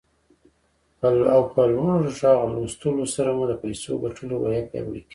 له په لوړ غږ لوستلو سره مو د پيسو ګټلو روحيه پياوړې کېږي.